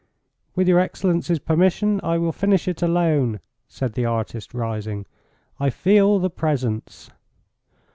"With your excellency's permission I will finish it alone," said the artist, rising. "I feel the presence."